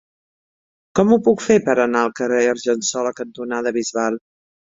Com ho puc fer per anar al carrer Argensola cantonada Bisbal?